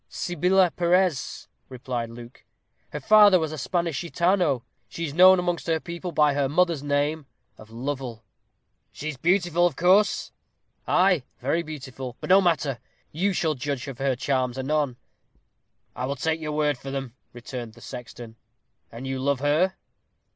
"Sibila Perez," replied Luke. "Her father was a Spanish Gitano. She is known amongst her people by her mother's name of Lovel." "She is beautiful, of course?" "Ay, very beautiful! but no matter! You shall judge of her charms anon." "I will take your word for them," returned the sexton; "and you love her?"